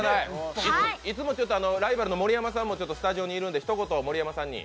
いつもライバルの盛山さんもスタジオにいるんでひと言、盛山さんに。